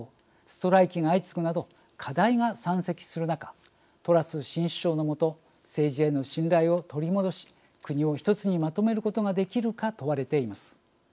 ストライキが相次ぐなど課題が山積する中トラス新首相のもと政治への信頼を取り戻し国を一つにまとめることができるか問われています。